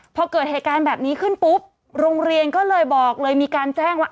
พอเกิดเหตุการณ์แบบนี้ขึ้นปุ๊บโรงเรียนก็เลยบอกเลยมีการแจ้งว่า